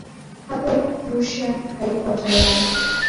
Hapo Prussia haikuwa tayari.